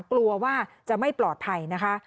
กลัวว่าจะไม่ปลอดภัยนะคะ